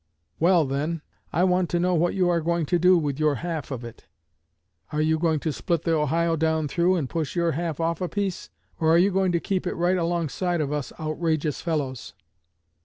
'] Well, then, I want to know what you are going to do with your half of it? Are you going to split the Ohio down through, and push your half off a piece? Or are you going to keep it right alongside of us outrageous fellows?